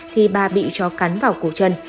thì bà bị trói cắn vào cổ chân